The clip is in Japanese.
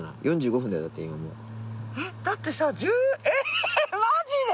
だってさえっマジで！？